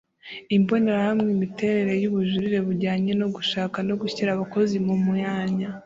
Imbonerahamwe Imiterere y ubujurire bujyanye no gushaka no gushyira abakozi mu myanya